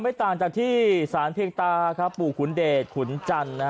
ไม่ต่างจากที่ศาลเทียกตาปู่ขุนเดจขุนจันทร์